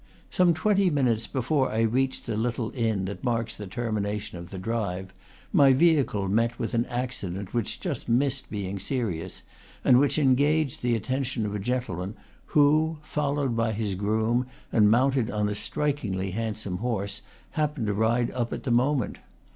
Some twenty minutes before I reached the little inn that marks the termination of the drive, my vehicle met with an ac cident which just missed being serious, and which engaged the attention of a gentleman, who, followed by his groom and mounted on a strikingly handsome horse happened to ride up at the moment.